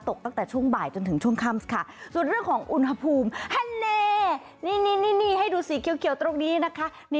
ตั้งแต่ช่วงบ่ายจนถึงช่วงค่ำค่ะส่วนเรื่องของอุณหภูมิทะเลนี่ให้ดูสีเขียวตรงนี้นะคะ